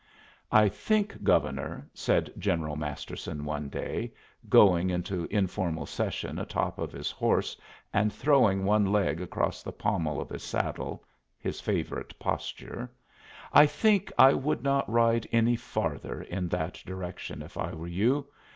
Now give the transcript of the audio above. "I think, Governor," said General Masterson one day, going into informal session atop of his horse and throwing one leg across the pommel of his saddle, his favorite posture "I think I would not ride any farther in that direction if I were you.